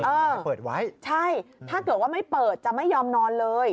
จะเปิดไว้ใช่ถ้าเกิดว่าไม่เปิดจะไม่ยอมนอนเลย